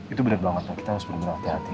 itu benar banget ya kita harus benar benar hati hati